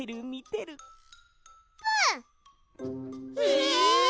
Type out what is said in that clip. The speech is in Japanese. え！？